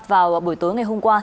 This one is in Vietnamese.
vào buổi tối ngày hôm qua